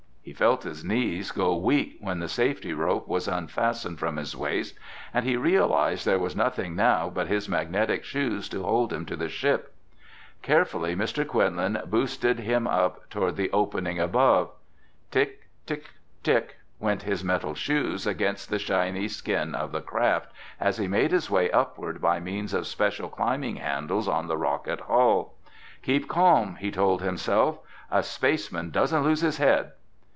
He felt his knees go weak when the safety rope was unfastened from his waist and he realized there was nothing now but his magnetic shoes to hold him to the ship. Carefully Mr. Quinlan boosted him up toward the opening above. Tick tick tick went his metal soles against the shiny skin of the craft as he made his way upward by means of special climbing handles on the rocket hull. "Keep calm," he told himself. "A spaceman doesn't lose his head."